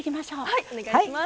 はいお願いします。